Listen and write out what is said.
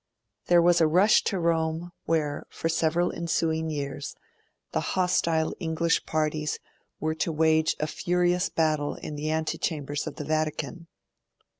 There was a rush to Rome, where, for several ensuing years, the hostile English parties were to wage a furious battle in the antechambers of the Vatican.